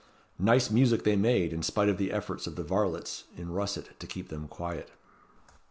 Nice music they made, in spite of the efforts of the varlets in russet to keep them quiet.